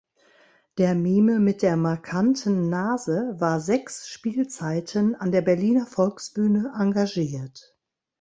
Der Mime mit der markanten Nase war sechs Spielzeiten an der Berliner Volksbühne engagiert.